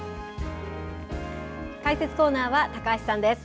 解説コーナーは高橋さんです。